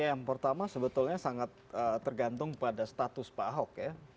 yang pertama sebetulnya sangat tergantung pada status pak ahok ya